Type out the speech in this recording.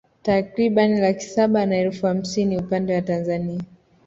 Takriban laki saba na elfu hamsini upande wa Tanzania